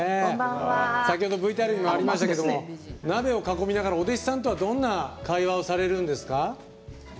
先ほどＶＴＲにもありましたけど鍋を囲みながらお弟子さんとどんな会話をされるんですか？